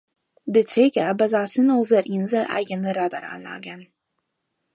Die Träger besaßen auf der Insel eigene Radaranlagen.